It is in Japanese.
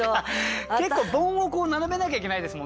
結構ボンを並べなきゃいけないですもんね。